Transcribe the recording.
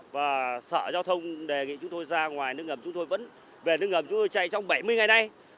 và sở giao thông đề nghị chúng tôi ra ngoài nước ngầm chúng tôi vẫn về nước ngầm chúng tôi chạy trong bảy mươi ngày nay